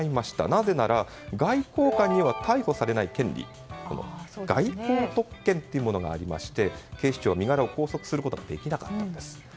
なぜなら外交官には逮捕されない権利外交特権というものがありまして警視庁は身柄を拘束することはできなかったんです。